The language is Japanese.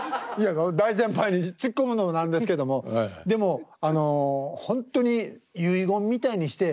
大先輩にツッコむのも何ですけどもでもあのほんとに遺言みたいにして。